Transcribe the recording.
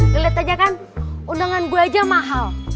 lihat aja kan undangan gue aja mahal